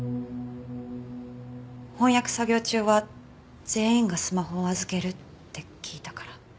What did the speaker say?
翻訳作業中は全員がスマホを預けるって聞いたから。